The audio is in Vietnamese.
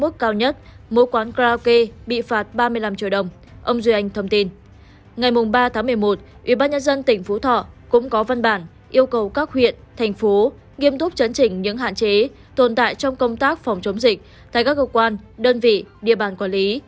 ngày ba tháng một mươi một ubnd tỉnh phú thọ cũng có văn bản yêu cầu các huyện thành phố nghiêm túc chấn chỉnh những hạn chế tồn tại trong công tác phòng chống dịch tại các cơ quan đơn vị địa bàn quản lý